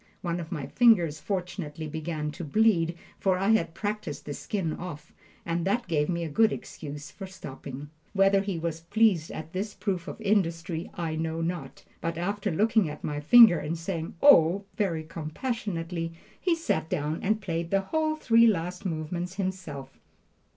One of my fingers fortunately began to bleed, for I had practised the skin off, and that gave me a good excuse for stopping. Whether he was pleased at this proof of industry, I know not; but after looking at my finger and saying, "Oh!" very compassionately, he sat down and played the whole three last movements himself.